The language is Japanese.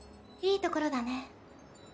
いいところだね